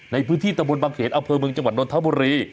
ในพื้นที่ตะบนบางเขนอำเภอเมืองจังหวัดนทบุรี